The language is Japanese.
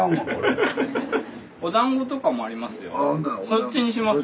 そっちにします？